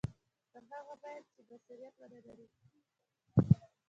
تر هغه تایید چې بصیرت ونه لري.